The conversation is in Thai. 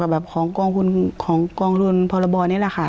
แบบของกองทุนพรบนี่แหละค่ะ